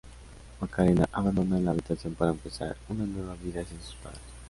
Macarena abandona la habitación para empezar una nueva vida sin sus padres.